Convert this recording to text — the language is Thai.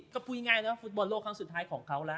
ไม่ง่ายเนาะฟุตบอลโลกครั้งสุดท้ายของเขาว่ะ